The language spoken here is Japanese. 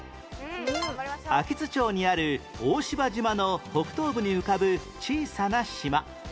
安芸津町にある大芝島の北東部に浮かぶ小さな島